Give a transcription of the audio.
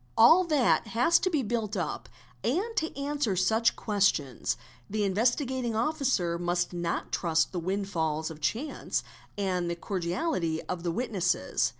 All that has to be built up, and to answer such | questions the Investigating Officer must not trust to the windfalls of — chance and the cordiality of the witnesses.